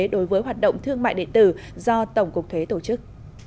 đối với hoạt động thương mại điện tử do tổng cục thuế tổ chức